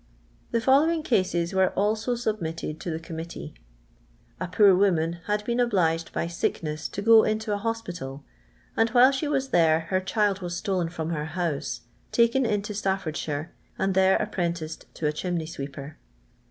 The following cases were also submitted to the Committee :—A poor woman had been obliged by sickness to go into an hospital, and while she was there her child was stolen from her house, taken into Staf> fordshire, and there apprenticed to a chimney sweeper.